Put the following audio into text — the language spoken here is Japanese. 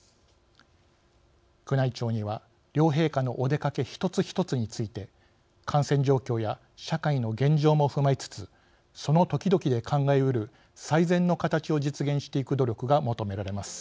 宮内庁には両陛下のお出かけ一つ一つについて感染状況や社会の現状も踏まえつつその時々で考えうる最善の形を実現していく努力が求められます。